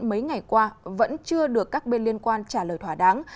mấy ngày qua vẫn chưa được các bên liên quan trả lời thỏa đáng